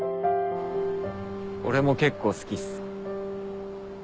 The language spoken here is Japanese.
俺も結構好きっす。